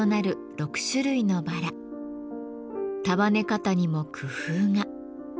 束ね方にも工夫が。